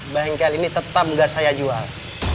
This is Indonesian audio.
bengkel ini tetap nggak saya jual